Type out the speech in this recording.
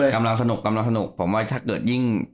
กำลังสนุกกำลังสนุกผมว่าถ้าเกิดยิ่ง